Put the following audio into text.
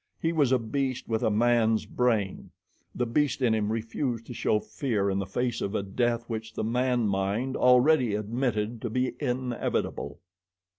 He was a beast with a man's brain. The beast in him refused to show fear in the face of a death which the man mind already admitted to be inevitable.